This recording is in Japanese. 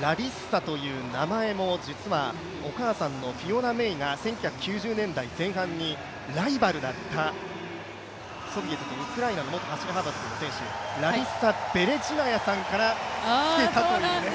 ラリッサという名前も実はお母さんのフィオナ・メイが１９９０年代前半にライバルだったソビエトとウクライナの元走幅跳の選手の名前からつけられたという。